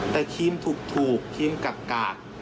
แต่ครีมถูกครีมกาก